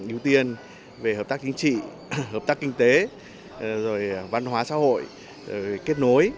ưu tiên về hợp tác chính trị hợp tác kinh tế rồi văn hóa xã hội kết nối